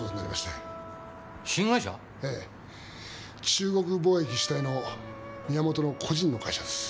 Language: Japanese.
中国貿易主体の宮元の個人の会社です。